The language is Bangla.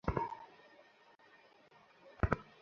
তোমাকে আগেই পছন্দ ছিল আমার।